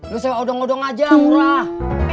lu saya odong odong aja murah